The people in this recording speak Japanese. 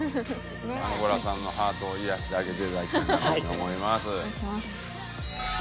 アンゴラさんのハートを癒やしてあげていただきたいなという風に思います。